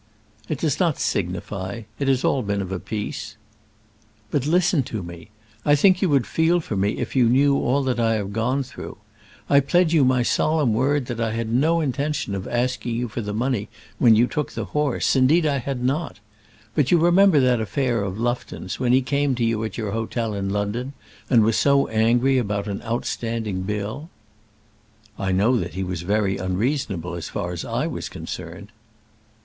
"It does not signify. It has been all of a piece." "But listen to me. I think you would feel for me if you knew all that I have gone through. I pledge you my solemn word that I had no intention of asking you for the money when you took the horse; indeed I had not. But you remember that affair of Lufton's, when he came to you at your hotel in London and was so angry about an outstanding bill." "I know that he was very unreasonable as far as I was concerned."